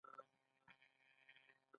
آریایان په دې خاوره کې میشت وو